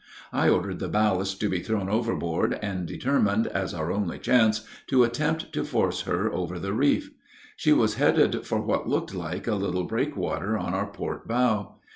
I ordered the ballast to be thrown overboard, and determined, as our only chance, to attempt to force her over the reef. She was headed for what looked like a little breakwater on our port bow.